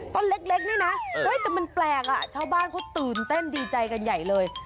ต้นเล็กนี่นะแต่มันแปลกอ่ะชาวบ้านเขาตื่นเต้นดีใจกันใหญ่เลย